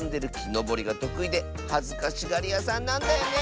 のぼりがとくいではずかしがりやさんなんだよね！